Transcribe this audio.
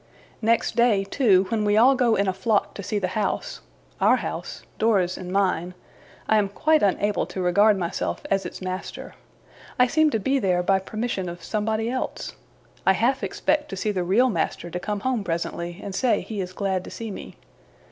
Next day, too, when we all go in a flock to see the house our house Dora's and mine I am quite unable to regard myself as its master. I seem to be there, by permission of somebody else. I half expect the real master to come home presently, and say he is glad to see me.